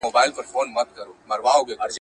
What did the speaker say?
ناروغۍ د ګناهونو د کفارې سبب ګرځي.